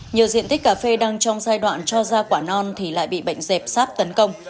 nhiều diện tích cà phê đang trong giai đoạn cho ra quả non thì lại bị bệnh dẹp sáp tấn công